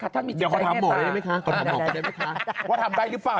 ขอถามหมอได้ไหมคะขอถามหมอก็ได้ไหมคะว่าทำได้หรือเปล่า